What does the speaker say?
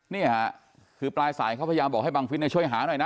นี่ค่ะคือปลายสายเขาพยายามบอกให้บังฟิศช่วยหาหน่อยนะ